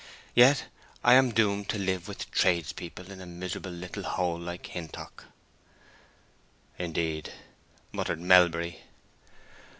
Yet I an doomed to live with tradespeople in a miserable little hole like Hintock!" "Indeed!" muttered Melbury.